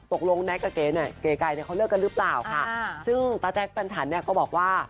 แน็กกับเก๋เนี่ยเก๋ไก่เนี่ยเขาเลิกกันหรือเปล่าค่ะซึ่งตาแจ๊กปันฉันเนี่ยก็บอกว่า